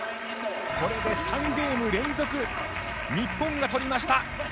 これで３ゲーム連続、日本が取りました！